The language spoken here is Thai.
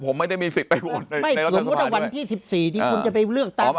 ผมไม่ได้มีสิทธิ์ไปโหวตเลยไม่สมมุติว่าวันที่สิบสี่ที่คุณจะไปเลือกตั้ง